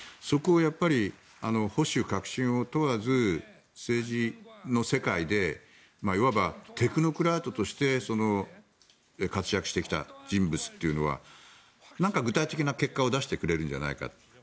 そこをやっぱり保守、革新を問わず政治の世界でいわばテクノクラートとして活躍してきた人物というのは具体的な結果を出してくれるんじゃないかって。